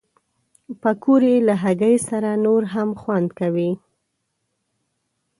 پکورې له هګۍ سره نور هم خوند کوي